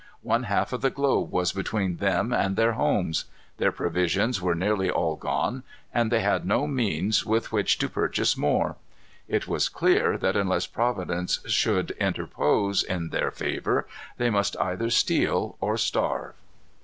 One half of the globe was between them and their homes. Their provisions were nearly all gone, and they had no means with which to purchase more. It was clear that unless Providence should interpose in their favor, they must either steal or starve.